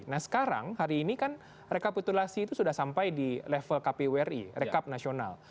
nah sekarang hari ini kan rekapitulasi itu sudah sampai di level kpwri rekap nasional